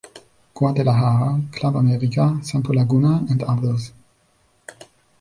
Guadalajara, Club America, Santos Laguna and others.